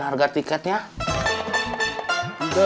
takut ketinggian harga tiketnya